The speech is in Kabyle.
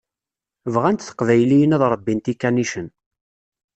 Bɣant teqbayliyin ad ṛebbint ikanicen.